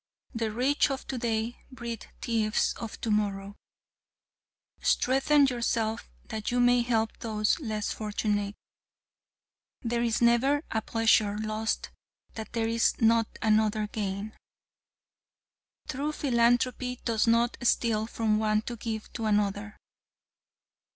The rich of today breed thieves for tomorrow. Strengthen yourself that you may help those less fortunate. There is never a pleasure lost that there is not another gained. True philanthropy does not steal from one to give to another.